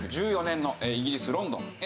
１９１４年のイギリスロンドン。